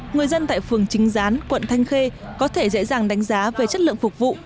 người dân tại phường chính gián quận thanh khê có thể dễ dàng đánh giá về chất lượng phục vụ